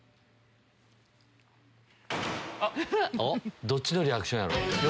おっどっちのリアクションやろ？